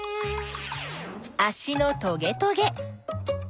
あしのトゲトゲ。